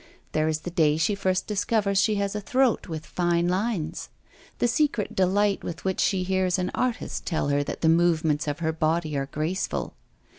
There is the day she first discovers she has a throat with fine lines; the secret delight with which she hears an artist tell her that the movements of her body are graceful.